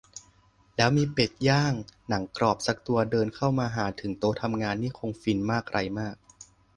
แล้วมีเป็ดย่างหนังกรอบซักตัวเดินเข้ามาหาถึงโต๊ะทำงานนี่คงจะฟินมากไรมาก